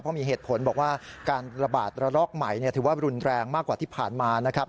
เพราะมีเหตุผลบอกว่าการระบาดระลอกใหม่ถือว่ารุนแรงมากกว่าที่ผ่านมานะครับ